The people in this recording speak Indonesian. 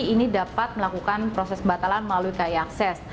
ini dapat melakukan proses pembatalan melalui kai akses